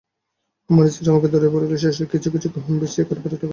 আমার স্ত্রীও আমাকে ধরিয়া পড়িল, সে কিছু কিছু গহনা বেচিয়া কারবারে টাকা খাটাইবে।